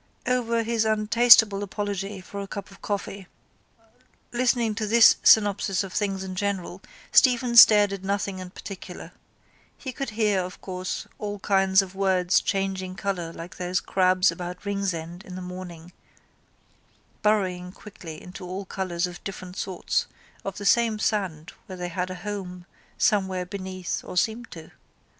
Over his untastable apology for a cup of coffee, listening to this synopsis of things in general, Stephen stared at nothing in particular. He could hear, of course, all kinds of words changing colour like those crabs about Ringsend in the morning burrowing quickly into all colours of different sorts of the same sand where they had a home somewhere beneath or seemed to.